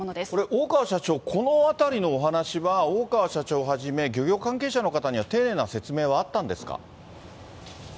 これ、大川社長、このあたりのお話は、大川社長はじめ、漁業関係者の方には丁寧な説明はあったんですか。